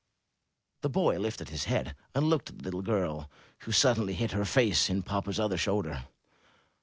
*' The boy lifted his head and looked at the little girl, who suddenly hid her face in the papa's other shoulder.